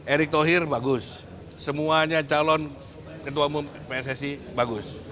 erick thohir bagus semuanya calon ketua umum pssi bagus